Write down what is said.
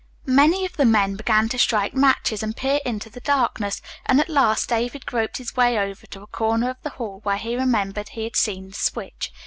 Many of the men began to strike matches and peer into the darkness, and at last David groped his way over to a corner of the hall where he remembered he had seen the switch.